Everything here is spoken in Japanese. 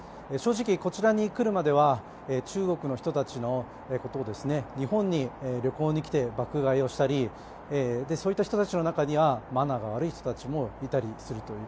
正直、こちらに来るまでは中国の人たちのことを日本に旅行に来て爆買いをしたりそういった人たちの中にはマナーが悪い人もいたりすると。